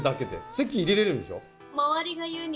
籍入れれるでしょ？